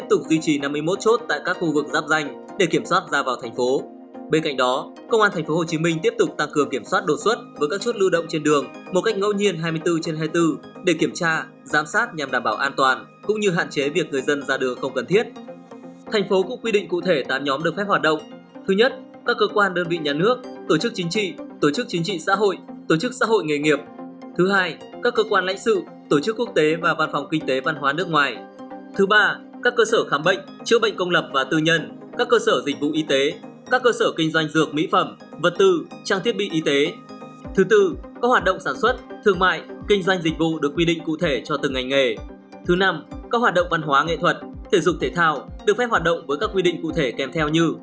thứ năm các hoạt động văn hóa nghệ thuật thể dục thể thao được phép hoạt động với các quy định cụ thể kèm theo như